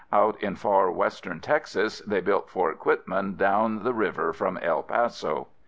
Out in far Western Texas, they built Fort Quitman, down the river from El Paso.